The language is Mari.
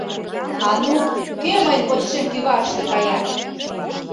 А ну, кӧ мыйын почешем кӱварышке кая!